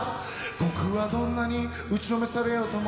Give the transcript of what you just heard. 「ぼくはどんなに打ちのめされようとも、」